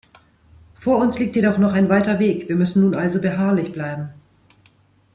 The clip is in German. Vor uns liegt jedoch noch ein weiter Weg, wir müssen nun also beharrlich bleiben.